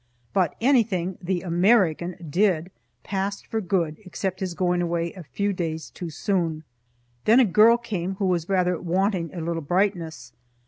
But anything "The American" did passed for good, except his going away a few days too soon. Then a girl came who was rather wanting a little brightness.